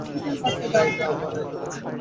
না, এটা আমার একারই করতে হবে।